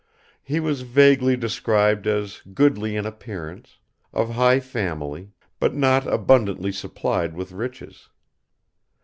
He was vaguely described as goodly in appearance, of high family, but not abundantly supplied with riches.